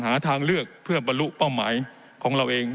หาทางเลือกเพื่อบรรลุเป้าหมายของเราเอง